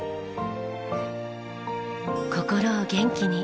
心を元気に！